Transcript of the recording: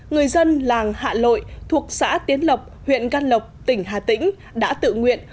người dân làng hạ lội thuộc xã tiến lộc huyện can lộc tỉnh hà tĩnh đã tự nguyện